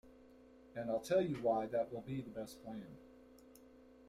And I'll tell you why that will be the best plan.